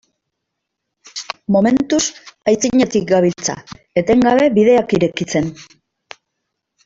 Momentuz aitzinetik gabiltza, etengabe bideak irekitzen.